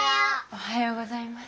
おはようございます。